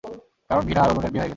কারণ ভীনা আর অরুণের বিয়ে হয়ে গেছে।